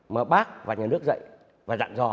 mà bác và nhà nước dạy và dặn dò